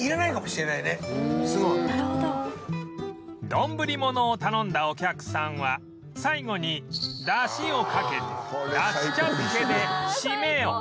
どんぶりものを頼んだお客さんは最後に出汁をかけて出汁茶漬けで締めを